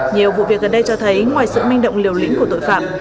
nhiều vụ việc gần đây cho thấy ngoài sự manh động liều lĩnh của tội phạm